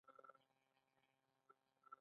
ټول ښوونځي روخصت شوي دي